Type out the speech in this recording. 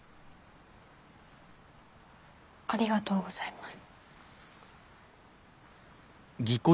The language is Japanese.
ありがとうございます。